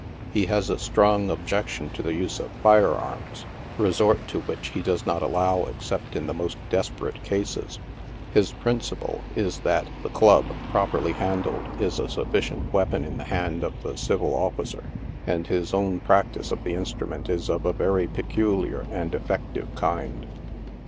He has a strong objection to the use of fire arms, resort to which he does not allow except in the most desperate cases. His principle is that the club, properly handled, is a sufficient weapon in the hand of the civil officer, and his own practice of the instrument is of a very peculiar and effective kind.